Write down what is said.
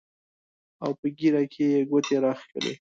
او پۀ ږيره کښې يې ګوتې راښکلې